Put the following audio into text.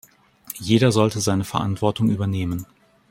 Jeder sollte seine Verantwortung übernehmen.